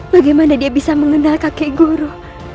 bagaimana dia bisa mengenal kakek guru